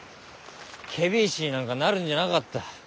検非違使になんかなるんじゃなかった。